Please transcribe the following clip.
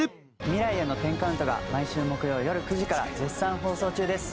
『未来への１０カウント』が毎週木曜よる９時から絶賛放送中です。